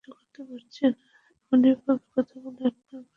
এমনি ভাবে কথা বলে, আপনার ভাইয়ের সাথে বন্ধু হয়ে যায়।